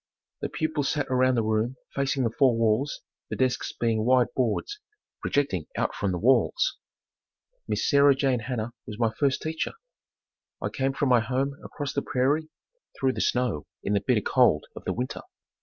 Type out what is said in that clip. The pupils sat around the room facing the four walls, the desks being wide boards, projecting out from the walls. Miss Sarah Jane Hanna was my first teacher. I came from my home across the prairie, through the snow in the bitter cold of the winter.